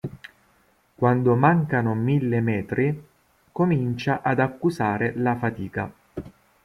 Quando mancano mille metri comincia ad accusare la fatica.